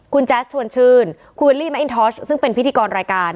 คุณแจ๊สชวนชื่นคุณวิลลี่แมอินทอสซึ่งเป็นพิธีกรรายการ